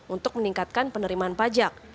untuk meningkatkan penerimaan pajak